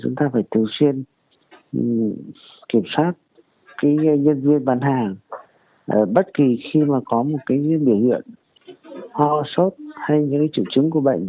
nhân viên bán hàng bất kỳ khi có một biểu hiện hoa sốt hay những triệu chứng của bệnh